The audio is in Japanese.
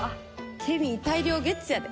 ケミー大量ゲッツやで。